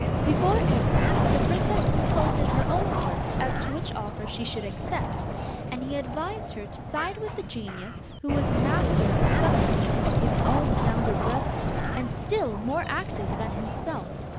Before answering, the princess consulted her own horse as to which offer she should accept, and he advised her to side with the genius who was master of Sunlight, his own younger brother, and still more active than himself.